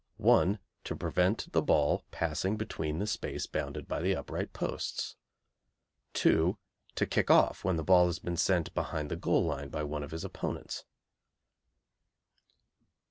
1. To prevent the ball passing between the space bounded by the upright posts. 2. To kick off when the ball has been sent behind the goal line by one of his opponents.